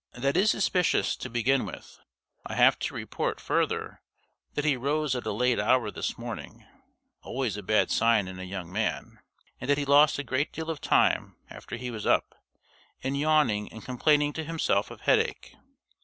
That is suspicious, to begin with. I have to report, further, that he rose at a late hour this morning (always a bad sign in a young man), and that he lost a great deal of time, after he was up, in yawning and complaining to himself of headache.